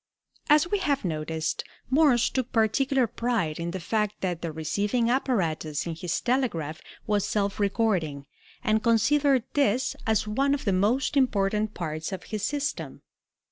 As we have noticed, Morse took particular pride in the fact that the receiving apparatus in his telegraph was self recording, and considered this as one of the most important parts of his system.